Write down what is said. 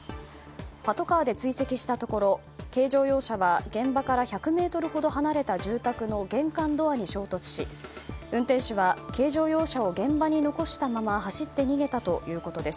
パトカーで追跡したところ軽乗用車は現場から１００ｍほど離れた住宅の玄関ドアに衝突し運転手は軽乗用車を現場に残したまま走って逃げたということです。